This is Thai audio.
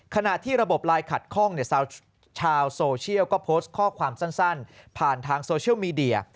ขณะที่ระบบไลน์ขัดข้องชาวโซเชียลก็โพสต์ข้อความสั้นผ่านทางโซเชียลมีเดีย